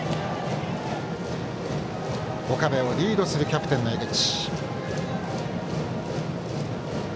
岡部をリードするキャプテンの江口。